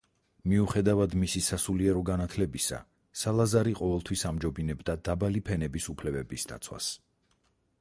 მიუხედავად მისი სასულიერო განათლებისა სალაზარი ყოველთვის ამჯობინებდა დაბალი ფენების უფლებების დაცვას.